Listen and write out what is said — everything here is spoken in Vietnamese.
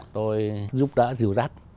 tôi giúp đỡ dịu dắt